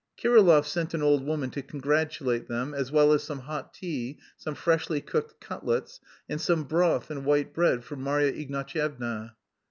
Kirillov sent an old woman "to congratulate them," as well as some hot tea, some freshly cooked cutlets, and some broth and white bread for Marya Ignatyevna.